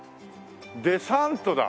デサントだ。